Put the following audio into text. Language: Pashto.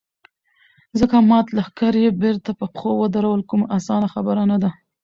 ځکه مات لښکر يې بېرته په پښو درول کومه اسانه خبره نه ده.